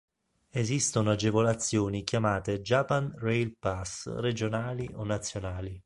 Esistono agevolazioni chiamate Japan Rail Pass regionali o nazionali.